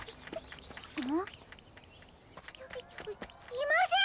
いません！